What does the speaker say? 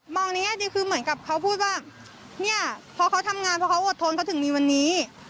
ในแง่ดีคือเหมือนกับเขาพูดว่าเนี่ยพอเขาทำงานเพราะเขาอดทนเขาถึงมีวันนี้